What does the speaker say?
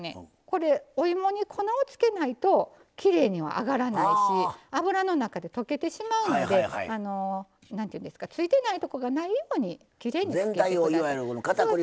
これお芋に粉をつけないときれいには揚がらないし油の中で溶けてしまうのでついてないところがないようにきれいにつけて下さい。